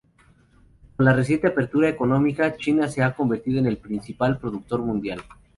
Con la reciente apertura económica, China se ha convertido en el principal productor mundial.